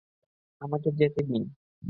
আমাকে যেতে দিন।